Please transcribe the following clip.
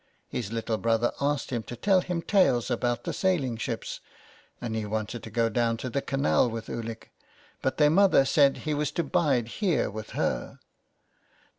His little brother asked him to tell him tales about the sailing ships, and he wanted to go down to the canal with Ulick, but their mother said he was to bide here with her.